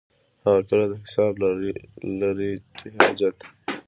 هغه کله د حساب لري حاجت.